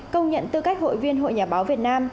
công nhận tư cách hội viên hội nhà báo việt nam